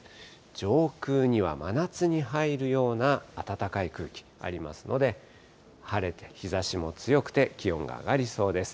上空には真夏に入るような暖かい空気ありますので、晴れて日ざしも強くて、気温が上がりそうです。